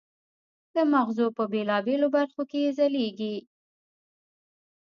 د مغزو په بېلابېلو برخو کې یې ځلېږي.